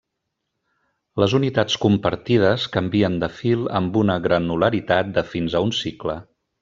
Les unitats compartides canvien de fil amb una granularitat de fins a un cicle.